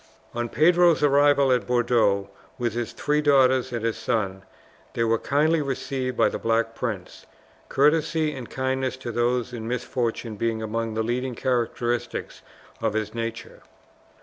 On Pedro's arrival at Bordeaux with his three daughters and his son, they were kindly received by the Black Prince, courtesy and kindness to those in misfortune being among the leading characteristics of his nature.